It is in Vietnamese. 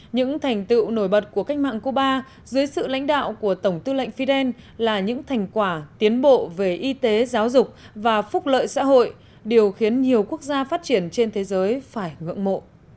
những thành tựu nổi bật của cách mạng cuba dưới sự lãnh đạo của tổng tư lệnh fidel là những thành quả tiến bộ về y tế giáo dục và phúc lợi xã hội điều khiến nhiều quốc gia phát triển trên thế giới phải ngưỡng mộ